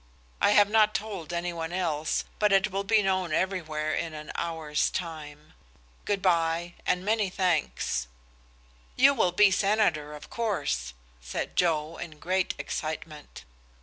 I have not told any one else, but it will be known everywhere in an hour's time. Good by, and many thanks." "You will be senator, of course?" said Joe, in great excitement.